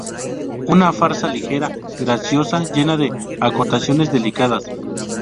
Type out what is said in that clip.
Una farsa ligera, graciosa, llena de acotaciones delicadas.